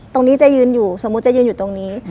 เจ๊ยืนอยู่สมมุติเจ๊ยืนอยู่ตรงนี้